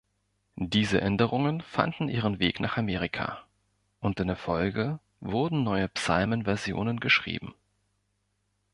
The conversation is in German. Diese Änderungen fanden ihren Weg nach Amerika, und in der Folge wurden neue Psalmenversionen geschrieben.